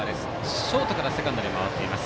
ショートからセカンドに回っています。